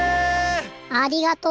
ありがとう！